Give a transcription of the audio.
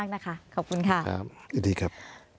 ครับ